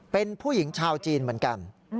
เป็นผู้หญิงชาวจีนเหมือนกัน